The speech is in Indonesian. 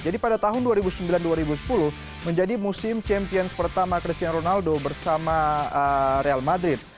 jadi pada tahun dua ribu sembilan dua ribu sepuluh menjadi musim champions pertama cristiano ronaldo bersama real madrid